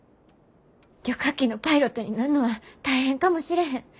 旅客機のパイロットになんのは大変かもしれへん。